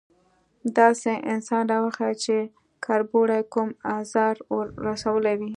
_داسې انسان راوښيه چې کربوړي کوم ازار ور رسولی وي؟